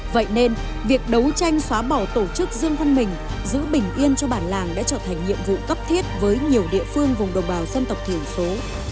vậy nên việc đấu tranh xóa bỏ tổ chức dương văn mình giữ bình yên cho bản làng đã trở thành nhiệm vụ cấp thiết với nhiều địa phương vùng đồng bào dân tộc thiểu số